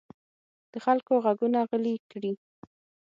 د خلکو غږونه غلي کړي.